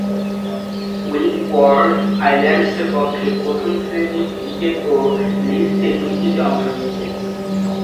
Windward আইল্যান্ডসের পক্ষে প্রথম-শ্রেণীর ক্রিকেট ও লিস্ট এ ক্রিকেটে অংশ নিয়েছেন।